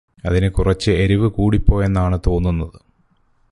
അതിന് കുറച്ച് എരിവ് കൂടിപോയെന്നാണ് തോന്നുന്നത്